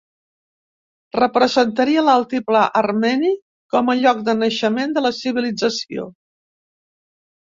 Representaria l'altiplà armeni com a lloc de naixement de la civilització.